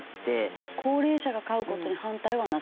じゃあ高齢者が飼う事に反対はなさらない？